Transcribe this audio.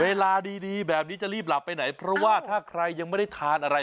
เวลาดีแบบนี้จะรีบหลับไปไหนเพราะว่าถ้าใครยังไม่ได้ทานอะไร